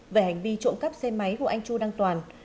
về hành vi trộm cắp xe máy của anh chu đăng toàn